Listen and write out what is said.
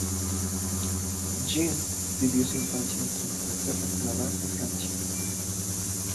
Jean vivió su infancia entre Inglaterra, Canadá y Francia.